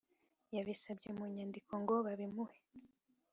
yabisabye mu nyandiko ngo babimuhe